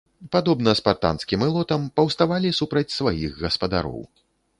Падобна спартанскім ілотам, паўставалі супраць сваіх гаспадароў.